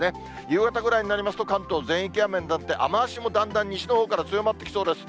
夕方ぐらいになりますと、関東全域雨になって、雨足もだんだん西のほうから強まってきそうです。